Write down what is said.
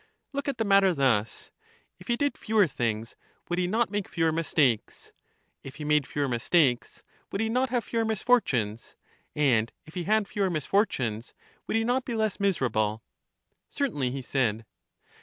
Look at the matter thus : If he did fewer things would he not make fewer mistakes? if he made fewer mis takes would he not have fewer misfortunes? and if he had fewer misfortunes would he not be less miserable ? Certainly, he said.